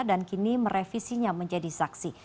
kini merevisinya menjadi saksi